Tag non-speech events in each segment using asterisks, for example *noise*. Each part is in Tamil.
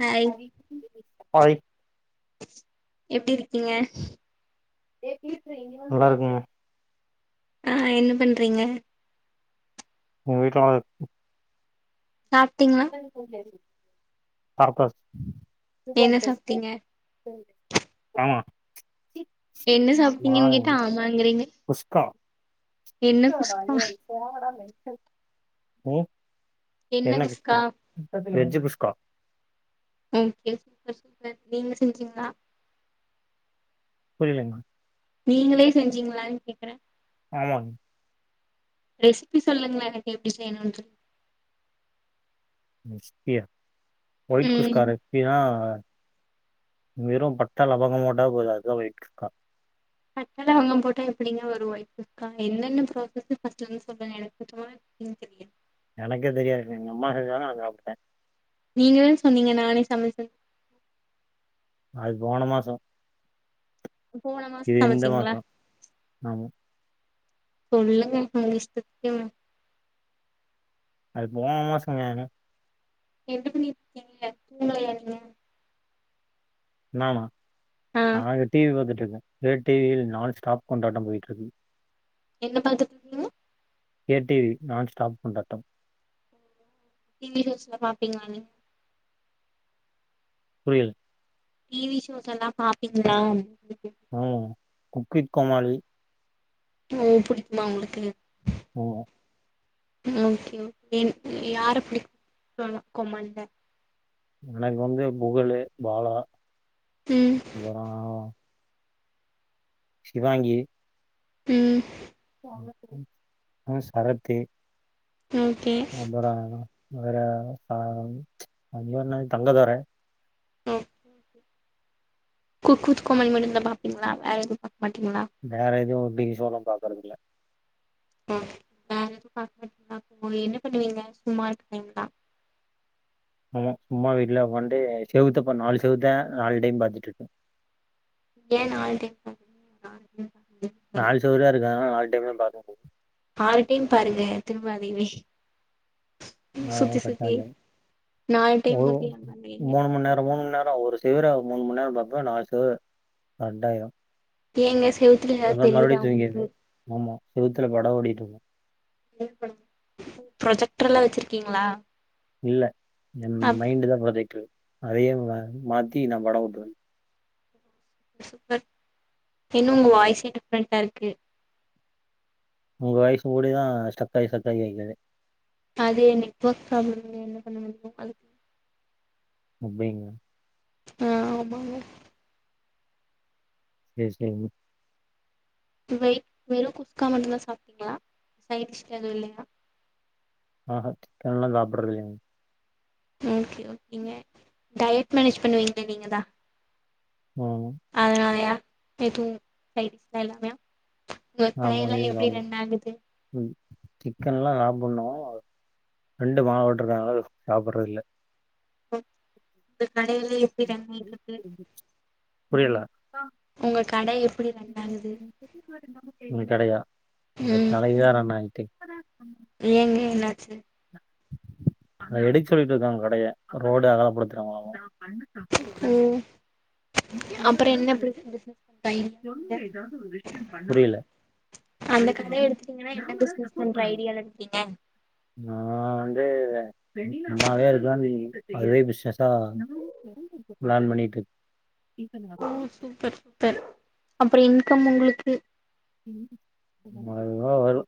ஹாய் ஹாய் எப்டி இருக்கீங்க நல்லா இருக்கங்க ஆஹ் என்ன பண்றீங்க உங்க வீட்ல ஆள் சாப்ட்டீங்களா *unintelligible* பரப்பஸ் என்ன சாப்ட்டீங்க ஆமா என்ன சாப்ட்டீங்கன்னு நான் கேட்டா ஆமாங்கிறீங்க குஸ்கா என்ன குஸ்காவா குஸ்கா ஏய் போங்கடா மெண் உம் என்ன குஸ் வெஜ்ஜு குஷ்கா ஓகே சூப்பர் சூப்பர் நீங்க செஞ்சீங்ளா புரியலீங்மா நீங்களே செஞ்சீங்களான்னு கேக்குறேன் ஆமாங் ரெசிபி சொல்லுங்ளே எனக்கு எப்டி செய்ணுன்றது *unintelligible* ஒயிட் குஸ்கா ம் ரெசிபியா வெறு பட்ட லவங்கொ போட்டா போது அது தா ஒயிட் குஸ்கா பட்டை லவங்கம் போட்டா எப்படிங்க ஒரு ஒயிட் குஸ்கா எனனென்ன ப்ராசஸுன்னு சொல்லுங்க எனக்கு சுத்தமா தெரியாது எனக்கே தெரியாது எங்க அம்மா செஞ் நீங்கதான சொன்னீங்க நானே சமைச்சன் அது போன மாசம் போன மாசோ இது இந்த சமைச்சீங்களா மாசோ ஆமா சொல்லுங்க உங்க இஷ்டத்துக்கு அது போன மாசங்க என்ன பண்ணிட்டு இருக்கீங்க தூங்கலையா இன்னும் ஆமா ஆ நாங்க டிவி பாத்துட்டு இரு இத டிவியில் நான் ஸ்டாப் கொண்டாட்டம் போயிட்டிருக்கு என்ன பாத்துட்டு இருக்கீங்க கே டிவி நான் ஸ்டாப் கொண்டாட்டம் டி வி நியூஸ்ல பாப்பிங்ளா நீங்க புரியல டி வி ஷோஸ் எல்லா பாப்பீங்ளா ம் குக் வித் கோமாளி ஓ புடிக்குமா உங்களுக்கு ம் ம் ஓகே ஓகே யார பிடிக்கு *inaudible* வித் கோமாளில எனக்கு வந்து புகழு பாலா ம் அப்பறோ சிவாங்கி ம் ஆ சரத்து ஓகே அப்பறோ அவர ப அவ பேரென்னது தங்கதெர ஓ குக் வித் கோமாளி மட்டும்தா பாப்பிங்களா வேற எதுவும் பாக் வேற எதுவு டிவி ஷோ ல்லா பாக்றதில்ல ஓ வேற எதுவு பாக்கமாட்டிங்களா அப்போ என்ன பண்ணுவீங்க சும்மா இருப்பிங்ளா ஆமா சும்மா வீட்ல ஒக்காண்டு செவுத்த பா நாலு செவுத்த நாலு டைம் பாத்துட்டு இருப்பே ஏன் நாலு டைம் *unintelligible* நாலு செவுருதா இருக்கு அதானால நாலு டைம்தா பாக்க முடியு ஆறு டைம் பாருங்க திரும்ப அதைவே நா கட்டாயம் நாலு டைம் ஒரு முடிய பண்ணுவீங்க. மூணு மண்நேரம் மூணு மண்நேரம் ஒரு சீ டிவில அவ மூணு மண்நேரம் பாப்பா நா அடுத்தது ரெண்டாயிரும் ஏங்க செவுத்துல எதாது தெரியுதா உங்களுக்கு தூங்கிருவேன். ஆமா. செவுத்துல படோ ஓடிட்டு இருக்கு ப்ரொஜெக்டர் எல்லா வெச்சிருக்கீங்ளா இல்ல என் மைண்டுதா ப்ரொஜெக்டர் அதயே மா மாத்தி நா படோ ஓட்டுவ சூப்பர் இன்னும் உங்க வாய்ஸே டிஃப்ரெண்டா இருக்கு உங்க வாய்சுங் கூடிதா ஸ்டரக்காயி ஸ்டரக்காயி கேக்குது அது என் நெட்வொர்க் ப்ராப்ளம்ங்க என்ன பண்ண முடியு அதுக் அப்டிங்ளா ஆஹ் ஆமாங்க செரி செரிங்க வெயிட் வெறு குஸ்கா மட்டுந்தா சாப்பிட்டீங்ளா சைடு டிஷ்க்கு எதுவு இல்லீங்ளா ஆஹ்ஹா சிக்கன் எல்லா சாப்பிடறது இல்லீங் ஓகே ஓகேங்க டயட் மேனேஜ் பண்ணுவீங்கள்ள நீங்கதா ம் அதனாலயா நேத்து உ நைட் எல்லாமயா நற்பனைய ஆமா எல்லா இதுங்க எப்படி ஆமா ரன் ஆகுது ம் சிக்கன் எல்லா சாப்பிடனு பிரெண்டு மால போட்டுருக்கான்ல்ல அத சாப்பிடறது இல்ல கடையிலயே எப்படி *unintelligible* உங்கள் கடை எப்டி ரன் ஆகுது என்ன கடையா ம் *unintelligible* ஆயிட்டே *unintelligible* ஏங்க என்னாச்சு எடுக்க சொல்லிட்டு இருக்காங்க கடைய ரோடு அகலப்படுத்துறாங்களாமா ஓ அப்புற என்ன பிஸி பிஸினஸ் பண்ணிட்ருக்கீங்க புரியல அந்த கடைய எடுத்துட்டீங்கன்னா என்ன பிசினஸ் பண்ற ஐடியா ல இருக்கீங்க நா வந்து சும்மாவே இருக்கலா அதுவே பிஸ்னஷா பிளான் பண்ணிட்டு ஓ சூப்பர் பர் அப்றம் இன்கம் உங்களுக்கு அதுவா வரு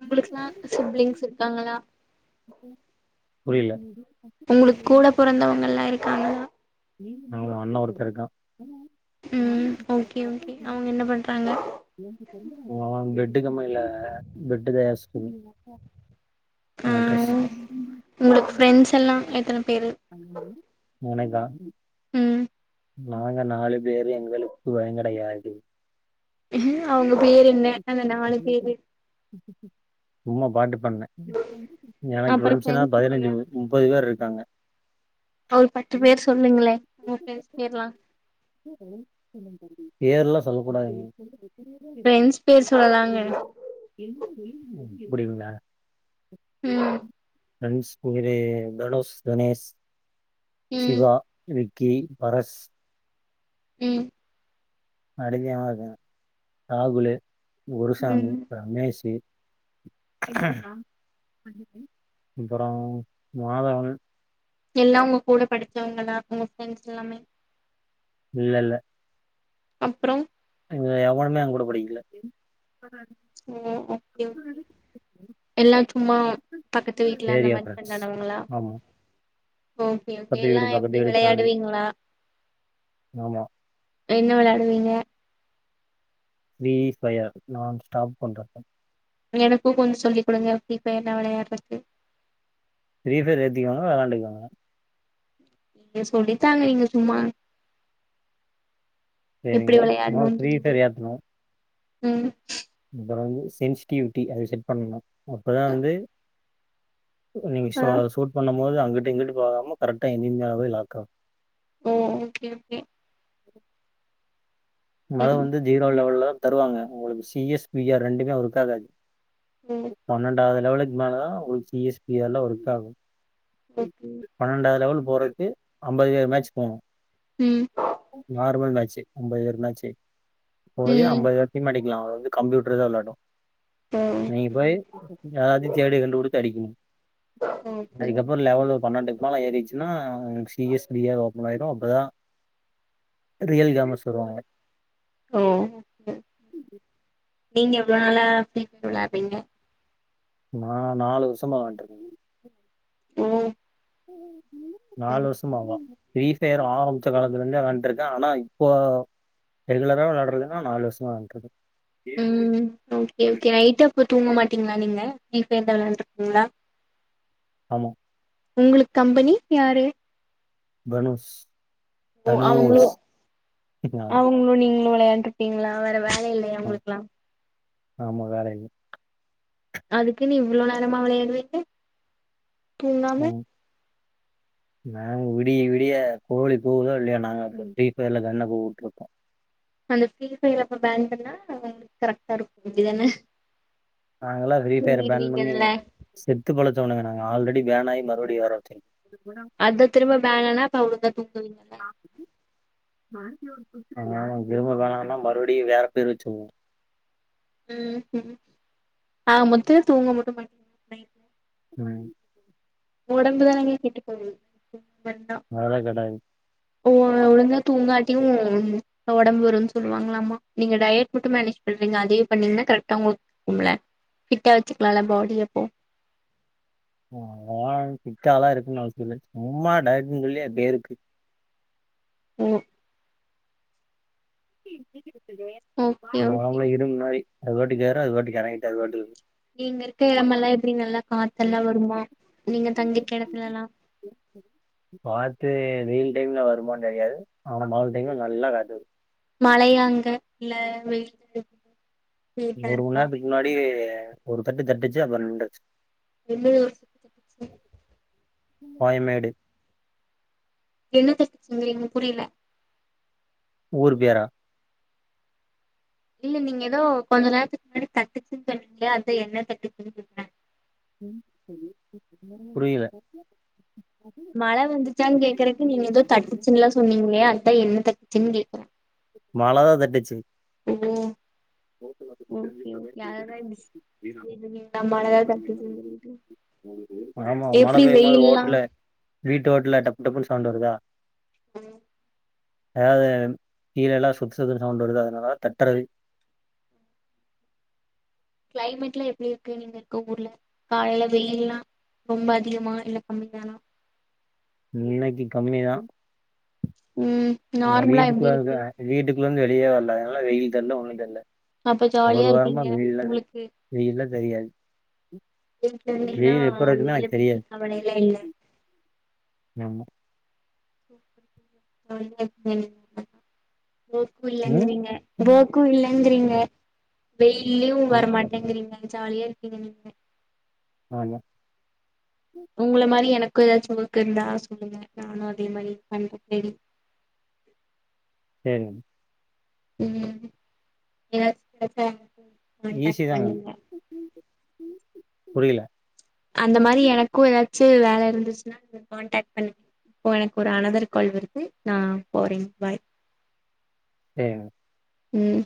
உங்களுக்குலா சிப்லிங்ஸ் இருக்காங்களா புரில உங்களுக்கு கூட பொறந்தவங்க எல்லா இரு க்காங்களா அண்ண ஒருத்த இருக்கா ம் ஓகே ஓகே அவங்க என்ன பண்றாங்க பெட்டு கம்மனில பெட்டு தயாரிச் ஆ *unintelligible* அட்ரஸ் உங்களுக்கு ஃப்ரெண்ட்ஸ் எல்லா எத்தன பேரு மூணேதான் *unintelligible* ம் நாங்க நாலு பேரு எங்களுக்கு பயங் கிடயாது அவங்க பேரு என்ன அந்த நாலு பேரு உமா பாட்டு எனக்கு அப்புறோ ஃபிரண்ஸ்னா ஃப்ரெண்ட்ஸ் பதினஞ்சு இல்லையா மு முப்பது பேர் இருப் க்காங்க ஒரு பத்து பேர் சொல்லுங்களே *unintelligible* லாம் பேர்லா சொல்லகூடாதுங் *inaudible* ஃபிரெண்ட்ஸ் பேர் சொல்லலாங்க இப்பிடி இருந்த ம் ஃபிரண்ட்ஸ் பேரு தனுஷ் கணேஷ் ம் சிவா விக் கே பரஸ் ம் நா அடிமயா தா இருக்க ராகுலு குருசாமி ம் ரமேசு *inaudible* இப்றோ மாதவன் எல்லா உங்க கூட படிச்சவங்களா உங்க ஃப்ரெண்ட்ஸ் எல்லாமே இல்ல இல்ல அப்றோ இதுல எவனுமே ஏங்கூட படிக்ல *inaudible* ஓ ஓகே ஓக் எல்லாம் சும்மா பக்கத்து வீட்டுல அந்த ஏரியா மாரி ஃப்ரெண்ட்ஸ் ஃப்ரண்டு *unintelligible* ஆமா ஓகே ஓகே பக்கத்து எல்லா வீடு பக்கத்து எப்டி வீடு தாண்டி வெளையாடுவீங்களா ஆமா ம் என்ன வெளயாடுவீங்க ஃப்ரீ ஃபயர் நா ஸ்டாப் கொண்டாட்டம் எனக்கு கொஞ்சோ சொல்லி் குடுங்க ஃப்ரீ ஃபயர் நா வெளையாடறக்கு ஃப்ரீ ஃபையர் ஏத்திக்கோங்க வெளாண்டுக்கோங்க நீங்க சொல்லித்தாங்க நீங் சும்மா எப்டி சேரிங்க *inaudible* மொத வெளையாட்ணுன் ப்ஃரீ சொல்லிட்டு ஃபயர் ஏத்ணு ம் ப்றம் வந்து சென்சிட்டிவிட்டி அத செட் பண்ணனு அப்பதா வந்து நீங் ஆ *unintelligible* சூட் பண்ணம்போ மொது அங்குட்டு இங்குட்டு போகாம கரெக்டா எதிரி மேல போய் லாக் ஆகு ம் ஓகே ஓகே மழ ம் வந்து ஜீரோ லெவல்ல தா தருவாங்க உங்களுக்கு சி எஸ் பி ஆர் ரெண்டுமே ஒர்க் ஆகாது ஓ பன்னெண்டாவ லெவலுக் மேல தா உங்களுக்கு சி எஸ், பி ஆர் லா ஒர்க் ஆகு ஓகே *inaudible* பன்னெண்டாவது லெவல் போறக்கு அம்பது மேட்ச் போனோ ம் நார்மல் மேச் ச் அம்பது பேரு மேட் ச்சி ஒரே ம் அம்பது வாட்டி மடிக்கலா அது வந்து கம்ப்யூட் டர்தா வெள்ளாடு ஓ நீங்க ஓகே போய் *inaudible* யாராச்சு தேடி கண்டு புடிச்சு அடிக்கீணு *inaudible* ஓகே அதுக்கப்றோ லெவல் ஓ பன்னண்டு மேல ஏறிடுச்சுன்னா சீயஸ்லியா ஓபன் ஆயிடு அப்தா ரியல் கேமர்ஸ் வருவாங்க ஓ நீங்க எவுளோ நாளா சேந்து வெளாட்றீங்க நா நாலு வருஷமா வெளாண்டிட்டுருக்கே உம் உ உ நாலு வருஷமாவா *unintelligible* பேர் ஆரம்பிச்ச காலத்துலே இருந்தே வெளாண்டுட்ருக்கே ஆனா இப்போ ரெகுலரா வெளாட்றதுன்னா நாலு வருஷமா வெளாண்டுட்ருக்கே உம் ஓகே ஓகே நைட்டு அப்ப தூங்க மாட் டீங்ளா நீங்க *unintelligible* ஆஹ் உங்குளுக் கம்பெனி யாரு தனுஷ் ஓ அவுங்ளோ தனுஷ் ஆமா, அவுங்ளோ நீ னு வெளையாண்ட்ருப்பீங்ளா வேர வே வேல இல்லையா ஆமா, உங்குளுக்கலாம் ஆமா வேல இல்ல அதுக்குனு இவ்ளோ நேரமா வெளையாடுவீங்க தூங்காம ம். நாங்க விடிய விடிய கோழி கூவுதோ இல்லையோ நாங்க அந்த பிரீ ஃபயர்ல கன்ன கூவா விட்டுருக்கோ அந்த பிரீ ஃபயர்ரே அப்ப பான் பண்ணா கர்ரெக்டா இருக்கோ அப்டிதானே நாங்கல்ல வெயிட்டா இருந்தாலுமே செத்து பொள *unintelligible* ஆல்ரெடி வேல மறுபடியு வர வச்சிரு அத திரும்ப பான் ஆனா அப்ப தூங்குவீங்கல்ல அ திரும்ப வேணாங்கன்னா மறுபடியும் வேற பேர் வச்சுருவோ உம் உ ஆக மொத்தத்துல தூங்க மட்டோ மாட்டிங்க நைட்டு உம் உடம்புதானுக கெட்டு போகுது நவழ கெடாய் உ ஒழுங்கா தூங்காட்டியு உடம்பு வருன்னு சொல்லுவாங்களாமா நீங்க டயட் மட்டும் மேனேஜ் பண்றீங்க அதே பண்ணீங்கன்னா கரெக்டா உங்குலுக் கும்லே ஃபிட் வச்சுக்கலாம்ல பாடி எப்போ அ ஆ ஃபிட்டாலா இருக்குனோனு அவசியம் இல்லை சும்மா டயட்னு சொல்லி அது பேருக்கு உம் *unintelligible* கேக் கேக்கு ஓகே ஓகே *unintelligible* இரும்பு மாரி அது வாட்டுக்கு ஏற அது வாட்டுக்கு இறங்கிட்டு அது வாட்டுக்கு இருக் நீங்க இருக்க இடமெல்லா எப்டி நல்லா காத்தெல்லா வருமா நீங்க தங்யிருக்க எடத்துலல்லா டீம்ல வருமான்னு தெரியாது ஆன நாலு டைம்ல நல்லா காத்து வரும் மழையாங்க இல்ல வெயலு ஒரு மூணு மண்நேரத்துக்கு முன்னாடி ஒரு தட்டு தட்டுச்சு அப்பற நிண்டுச்சு வெள்ளயோச்சு சு பாய்மேடு என்ன தட்டுச்சுங்களீங்க புரியில ஊர் பேரா இல்ல நீங்க ஏதோ கொஞ்சு நேரத்துக்கு முன்னாடி தட்டுச்சுன்னு சொன்னீங்களே அதா என்ன தட்டுச்சுன்னு சொன்னே *inaudible* புரியல மழ வந்துச்சான்னு கேக்குறக்கு நீங்க ஏதோ தட்டுச்சுன்னுல்லா சொன்னீங்களையா அதா என்ன தட்டுச்சுன்னு கேக்குறே மழதா தட்டுச்சு ஓ ஓகே ஓகே அதத இப்டி ச் சொல்லிட்ருக்க த மழத தட்டுச்சு செல்லிடு ஆமா மழ எப்டி பெய்யும் வெயில்லா டபுல் சவுண்டு வருதா உம் அதாவது கீழே எல்லா சுத்து சுத்து சவுண்ட் வருது அதனால தட்டுறது கிளைமேட் எல்லா எப்படி இருக்கு நீங்க இருக்க ஊர்ல காலையில வெயில்லா ரொம்ப அதிகமா இல்ல கம்மிதானா இன்னைக்கு கம்மிதா உம் நார்மலா எப்படி இருக்கு ந்து வெளியவே வரல அதனால வெயில் தெர்ல ஒன்னு தெரில அப்ப ஜாலியா இருப்பீங்க உங்களுக்கு வெயில்ல தெரியாது என்னா வெயில் எப்ப இருக்குன்னு வெயில எனக்கு பத்தி தெரியாது கவளைல்லா இல்ல ஆமா *unintelligible* வோக்கு ம் இல்லங்கிறீங்க வோக்கு இல்லங்கிறீங்க எ வெயில்லயு ம் வரமாட்டேங்கிறீங்க ஜாலியா இருப்பீங்க நீங்க ஆமா உங்கள மாரி எனக் க்கு ஏதாச் ஒர்க்கு இருந்தா சொல்லுங்க நானு அதே மாரி பண்ற தேடி என் உம் எ *inaudible* ஈஸி கான்டாக்ட் தாங்க பண்ணுங்க புரியல அந்த மாரி எனக்கு ஏதாச்சு வேல இருந்துச்சுன்னா கான்டாக்ட் பண்னு இப்போ எனக்கு ஒரு அனதர் கால் வருது நா போறேங்க பாய் தேவ ம்